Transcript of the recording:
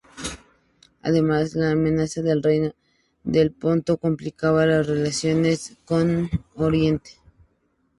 Además, la amenaza del reino del Ponto complicaba las relaciones con Oriente.